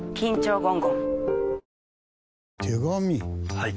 はい。